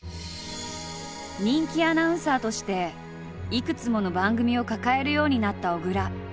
人気アナウンサーとしていくつもの番組を抱えるようになった小倉。